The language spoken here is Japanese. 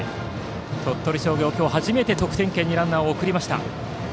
鳥取商業、今日初めて得点圏にランナーを送りました。